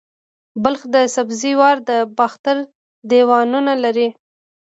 د بلخ سبزې وار د باختر دیوالونه لري